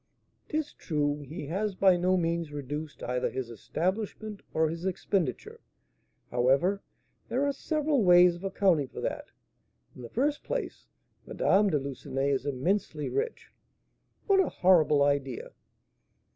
'Tis true, he has by no means reduced either his establishment or his expenditure; however, there are several ways of accounting for that; in the first place, Madame de Lucenay is immensely rich." "What a horrible idea!"